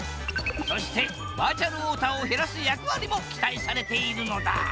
そしてバーチャルウォーターを減らす役割も期待されているのだ！